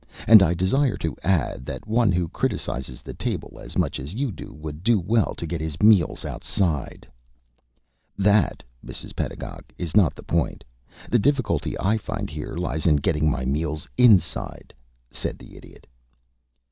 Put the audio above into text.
"And I desire to add, that one who criticises the table as much as you do would do well to get his meals outside." "That, Mrs. Pedagog, is not the point. The difficulty I find here lies in getting my meals inside," said the Idiot.